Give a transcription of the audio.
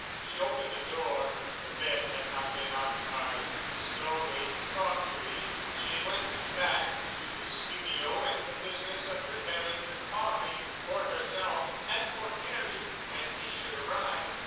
She opened the door. The bed had not been occupied. Slowly, thoughtfully, she went back to the studio and the business of preparing the coffee—for herself—and for Harry—when he should arrive.